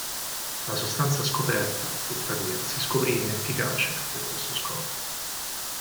La sostanza scoperta tuttavia si scoprì inefficace per questo scopo.